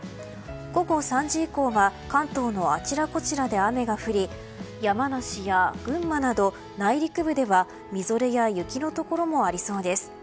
午後３時以降は関東のあちらこちらで雨が降り山梨や群馬など内陸部ではみぞれや雪のところもありそうです。